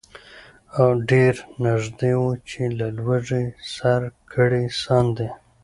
ډېر نیژدې وو چي له لوږي سر کړي ساندي